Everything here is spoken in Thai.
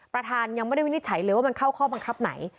ประธานยังไม่ได้วินิจฉัยเลยว่ามันเข้าข้อบังคับไหน